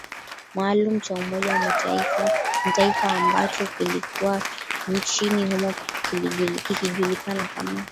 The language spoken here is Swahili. maalumu cha Umoja wa Mtaifa ambacho kilikuwa nchini humo kikijulikana kama